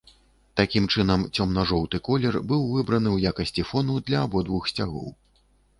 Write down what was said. Такім чынам, цёмна-жоўты колер быў выбраны ў якасці фону для абодвух сцягоў.